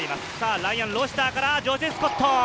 ライアン・ロシターからジョシュ・スコット。